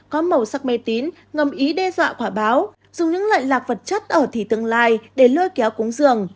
có màu sắc mê tín ngầm ý đe dọa quả báo dùng những loại lạc vật chất ở thí tương lai để lươi kéo cúng dường